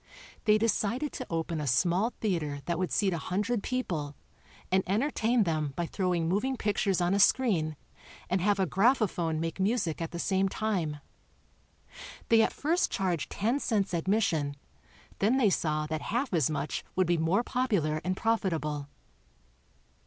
They decided to open a small theater that would seat a hundred people, and entertain them by throwing moving pictures on a screen and have a graphophone make music at the same time. They at first charged ten cents admission, then they saw that half as much would be more popular and profitable.